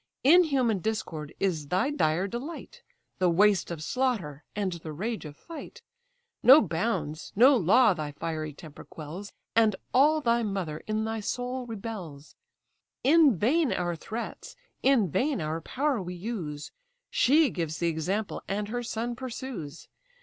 Inhuman discord is thy dire delight, The waste of slaughter, and the rage of fight. No bounds, no law, thy fiery temper quells, And all thy mother in thy soul rebels. In vain our threats, in vain our power we use; She gives the example, and her son pursues.